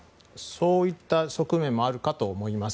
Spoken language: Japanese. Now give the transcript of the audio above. そういった側面もあるかと思います。